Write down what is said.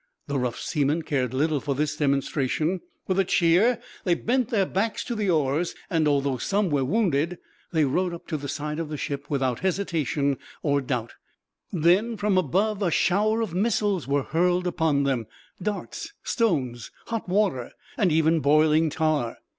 The rough seamen cared little for this demonstration. With a cheer they bent their backs to the oars and, although some were wounded, they rowed up to the side of the ship without hesitation or doubt. Then from above a shower of missiles were hurled upon them darts, stones, hot water, and even boiling tar.